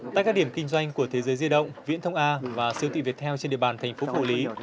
tại các điểm kinh doanh của thế giới di động viễn thông a và sưu tị việt theo trên địa bàn thành phố hồ lý